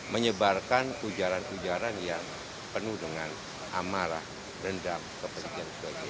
menyebarkan ujaran ujaran yang penuh dengan amarah dendam kebencian sebagainya